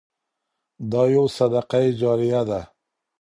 دا يو صدقه جاريه ده.